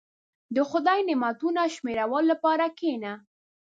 • د خدای نعمتونه شمیرلو لپاره کښېنه.